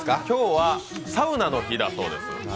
今日はサウナの日だそうです。